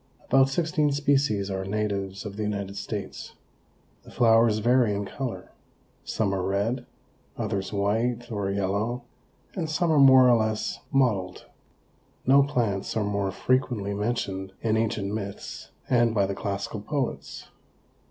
About sixteen species are natives of the United States. The flowers vary in color. Some are red, others white or yellow and some are more or less mottled. No plants are more frequently mentioned in Ancient Myths and by the classical poets.